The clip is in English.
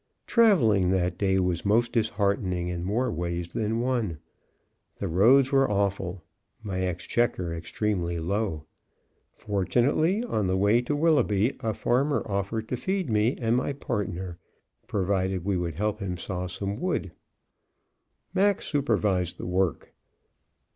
'" Traveling that day was most disheartening in more ways than one. The roads were awful, my exchequer extremely low. Fortunately, on the way to Willoughby a farmer offered to feed me and my partner, provided we would help him saw some wood. Mac supervised the work.